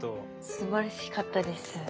すばらしかったです。